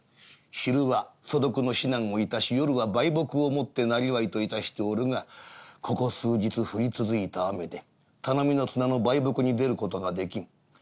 昼は素読の指南を致し夜は売卜をもってなりわいと致しておるがここ数日降り続いた雨で頼みの綱の売卜に出る事ができん。